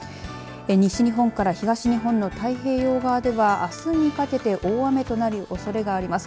西日本から東日本の太平洋側ではあすにかけて大雨となるおそれがあります。